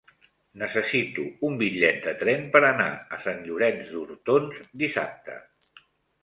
Necessito un bitllet de tren per anar a Sant Llorenç d'Hortons dissabte.